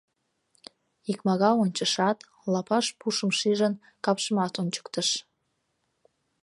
Икмагал ончышат, лапаш пушым шижын, капшымат ончыктыш.